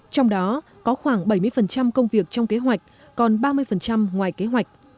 trong đó có khoảng bảy mươi công việc trong kế hoạch còn ba mươi ngoài kế hoạch